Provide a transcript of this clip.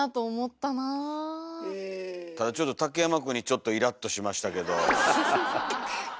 ただちょっと竹山くんにちょっとイラッとしましたけど。